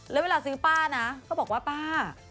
แล้วเวลาซื้อป้านะเขาบอกว่าป้า